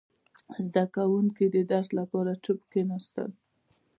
• زده کوونکي د درس لپاره چوپ کښېناستل.